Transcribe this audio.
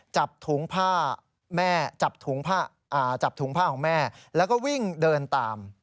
จับถุงผ้าของแม่แล้วก็วิ่งเดินตาม